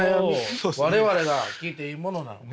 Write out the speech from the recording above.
我々が聞いていいものなのか。